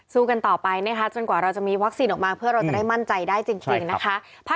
กันต่อไปนะคะจนกว่าเราจะมีวัคซีนออกมาเพื่อเราจะได้มั่นใจได้จริงนะคะ